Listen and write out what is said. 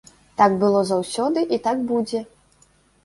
Так было заўсёды і так будзе.